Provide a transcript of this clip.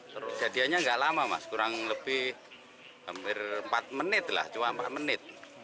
terus jadiannya nggak lama mas kurang lebih hampir empat menit lah cuma empat menit